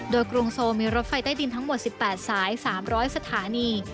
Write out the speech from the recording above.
โดยกรุงโซมีรถไฟใต้ดินทั้งหมด๑๘สาย๓๐๐สถานี